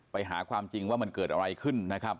ไปหาความจริงว่ามันเกิดอะไรขึ้นนะครับ